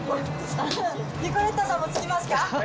ニコレッタさんもつきますか？